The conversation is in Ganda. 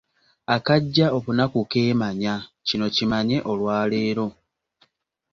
"Akajja obunaku keemanya, kino kimanye olwaleero."